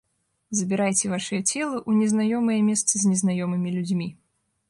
Забірайце вашае цела ў незнаёмыя месцы з незнаёмымі людзьмі.